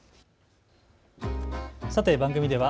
さて番組では＃